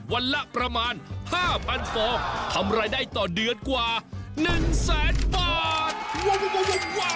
วันละประมาณ๕๐๐ฟองทำรายได้ต่อเดือนกว่า๑แสนบาท